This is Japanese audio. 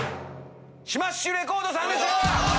シマッシュレコードさんです！